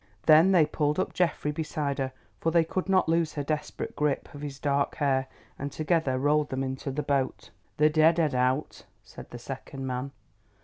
Then they pulled up Geoffrey beside her, for they could not loose her desperate grip of his dark hair, and together rolled them into the boat. "They're dead, I doubt," said the second man.